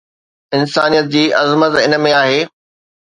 انسانيت جي عظمت ان ۾ آهي